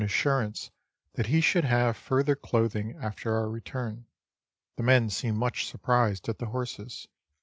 assurance that he should have fur ther clothing after our return. The men seemed much surprised at the horses.